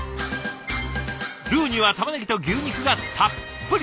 ルーにはたまねぎと牛肉がたっぷり！